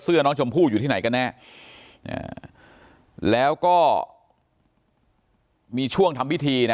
เสื้อน้องชมพู่อยู่ที่ไหนก็แน่แล้วก็มีช่วงทำพิธี